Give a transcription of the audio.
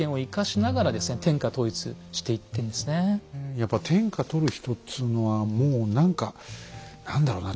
やっぱ天下取る人っつうのはもう何か何だろうな